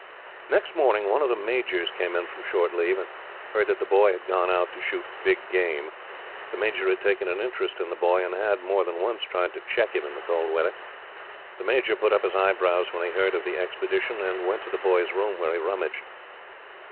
Next morning one of the Majors came in from short leave, and heard that The Boy had gone out to shoot "big game." The Major had taken an interest in The Boy, and had, more than once, tried to check him in the cold weather. The Major put up his eyebrows when he heard of the expedition and went to The Boy's room, where he rummaged.